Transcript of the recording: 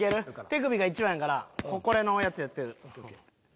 手首が一番やからこれのやつやって。